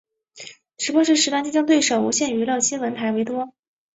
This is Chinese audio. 直播时段较竞争对手无线娱乐新闻台为多。